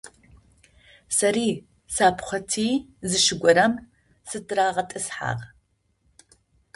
Сэри сапхъуати зы шы горэм сытырагъэтӏысхьагъ.